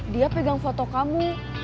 dia pegang foto kamu